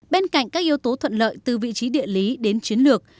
bên cạnh các yếu tố thuận lợi từ vị trí địa lý đến chiến lược